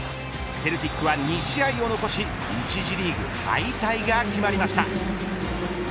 セルティックは２試合を残し一次リーグ敗退が決まりました。